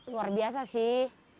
luar biasa sih